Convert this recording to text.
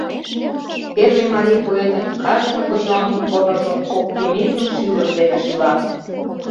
Первый марий поэтын кажне почеламут корныжо оптимизм шӱлыш дене шӱла.